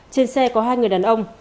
trên xe có hai người đàn ông